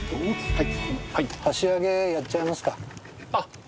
はい。